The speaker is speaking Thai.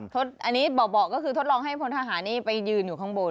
อันนี้เบาะก็คือทดลองให้พลทหารนี่ไปยืนอยู่ข้างบน